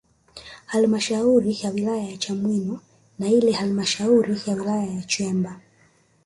Halmashauri ya Wilaya ya Chamwino na ile halmashauri ya wilaya ya Chemba